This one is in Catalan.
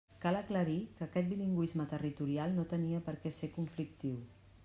Cal aclarir que aquest bilingüisme territorial no tenia per què ser conflictiu.